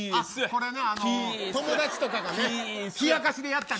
これ友達とかが冷やかしでやったり。